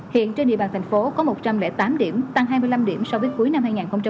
hiện trên địa bàn thành phố có một trăm linh tám điểm tăng hai mươi năm điểm so với cuối năm hai nghìn một mươi tám